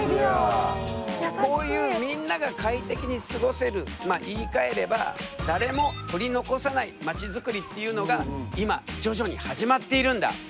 こういうみんなが快適に過ごせるまあ言いかえれば誰も取り残さない街づくりっていうのが今徐々に始まっているんだ。